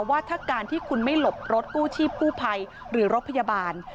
ว่าถ้าการที่คุณไม่หลบรถกู้ชีพกู้ภัยหรือรถพยาบาล